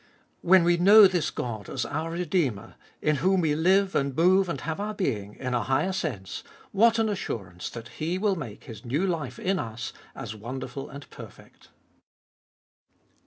When we know this God as our Redeemer, " in whom we live and move and have our being " in a higher sense, what an assurance that He will make His new life in us as wonderful and perfect.